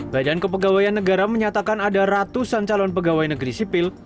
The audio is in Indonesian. badan kepegawaian negara menyatakan ada ratusan calon pegawai negeri sipil